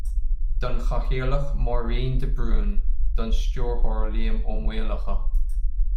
don Chathaoirleach Máirín de Brún; don Stiúrthóir Liam Ó Maolaodha